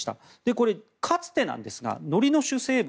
これ、かつてなんですがのりの主成分